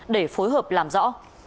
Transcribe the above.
để phối hợp làm rõ